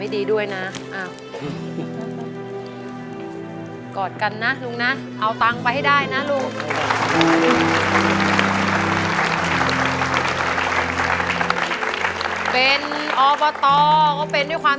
เอาล่ะครับมาเริ่มกันเลยนะครับ